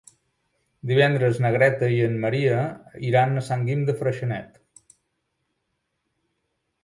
Divendres na Greta i en Maria iran a Sant Guim de Freixenet.